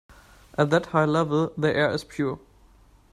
At that high level the air is pure.